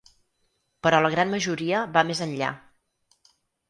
Però la gran majoria va més enllà.